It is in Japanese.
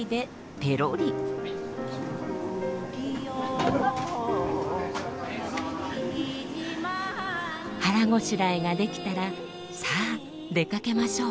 腹ごしらえができたらさあ出かけましょう。